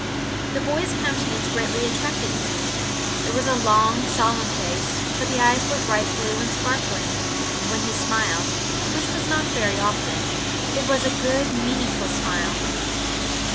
The boy's countenance greatly attracted Gibbie. It was a long, solemn face, but the eyes were bright blue and sparkling; and when he smiled, which was not very often, it was a good and meaningful smile.